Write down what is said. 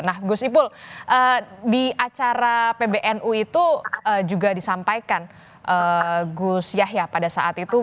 nah gus ipul di acara pbnu itu juga disampaikan gus yahya pada saat itu